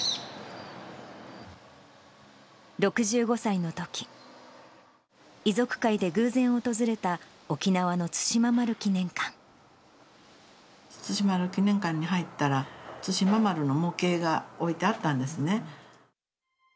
６５歳のとき、遺族会で偶然訪れた、対馬丸記念館に入ったら、対馬丸の模型が置いてあったんですね。